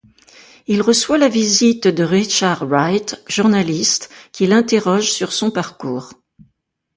Il reçoit la visite de Richard Wright, journaliste, qui l'interroge sur son parcours.